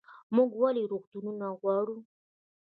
موږ ولې روغتونونه غواړو؟